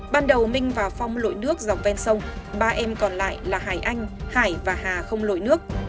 ban đầu minh và phong lội nước dọc ven sông ba em còn lại là hải anh hải và hà không lội nước